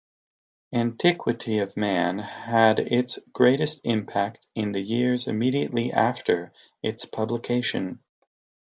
"Antiquity of Man" had its greatest impact in the years immediately after its publication.